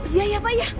iya ya pak iya